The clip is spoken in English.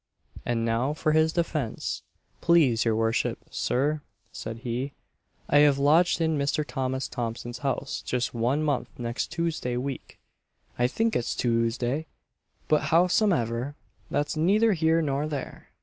And now for his defence: "Please your worship, Sir," said he, "I have lodged in Mr. Thomas Thompson's house just one month next Toosday week I think it's Toosday; but howsomever, that's neither here nor there.